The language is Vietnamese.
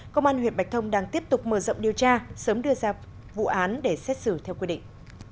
công an huyện bạch thông đang tiếp tục mở rộng điều tra sớm đưa ra vụ án để xét xử theo quy định